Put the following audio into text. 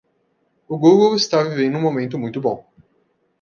O Google está vivendo um momento muito bom.